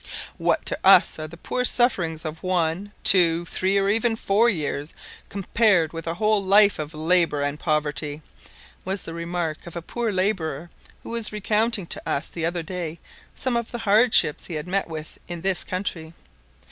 "What to us are the sufferings of one, two, three, or even four years, compared with a whole life of labour and poverty," was the remark of a poor labourer, who was recounting to us the other day some of the hardships he had met with in this country.